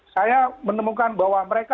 saya menemukan bahwa mereka